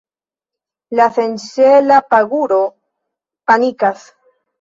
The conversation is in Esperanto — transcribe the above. La senŝela paguro panikas.